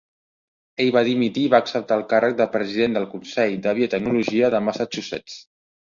Ell va dimitir i va acceptar el càrrec de President del Consell de Biotecnologia de Massachusetts.